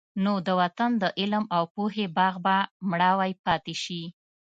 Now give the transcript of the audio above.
نو د وطن د علم او پوهې باغ به مړاوی پاتې شي.